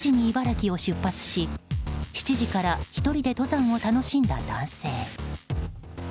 朝５時に茨城を出発し７時から１人で登山を楽しんだ男性。